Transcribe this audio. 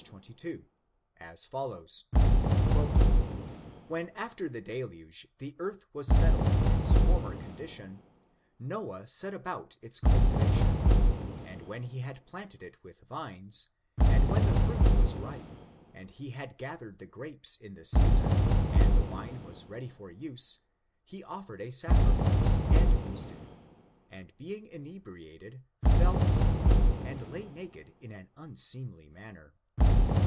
22, as fol lows :" When after the deluge the earth was settled in its former condition, Noah set about its cultivation ; and when he had planted it with vines, and when the fruit was ripe and he had gathered the grapes in the season, and the wine was ready for use, he offer ed a sacrifice and feasted, and being inebriated fell asleep and lay naked in an unseemly manner.